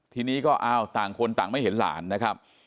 ทีนี้ก็อ้าวต่างคนต่างไม่เห็นหลานนะครับ